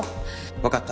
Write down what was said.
分かった。